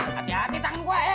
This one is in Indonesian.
hati hati tangan gue